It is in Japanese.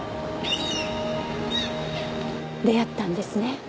出会ったんですね